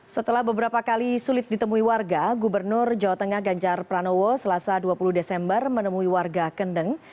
setelah beberapa kali sulit ditemui warga gubernur jawa tengah ganjar pranowo selasa dua puluh desember menemui warga kendeng